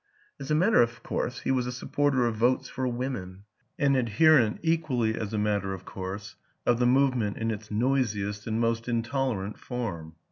As a matter of course he was a supporter of votes for women; an adherent (equally as a mat ter of course) of the movement in its noisiest and most intolerant form.